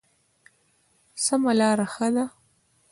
سمه لاره ښه ده.